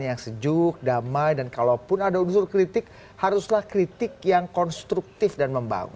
yang sejuk damai dan kalaupun ada unsur kritik haruslah kritik yang konstruktif dan membangun